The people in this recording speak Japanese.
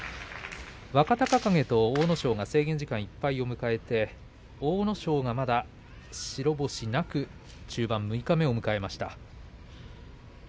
若隆景と阿武咲が制限時間いっぱいを迎えて阿武咲が、まだ白星なく中盤、六日目を迎えました。